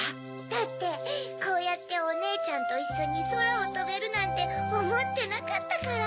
だってこうやっておねえちゃんといっしょにそらをとべるなんておもってなかったから。